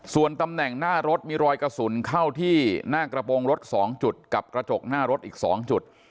ส่วนตำแหน่งหน้ารถมีรอยกระสุนเข้าที่หน้ากระโปรงรถ๒จุดกับกระจกหน้ารถอีก๒จุด